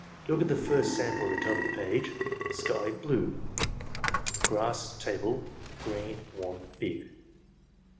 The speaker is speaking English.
Look at the first sample at the top of the page: Sky — blue :: grass — table, green, warm, big.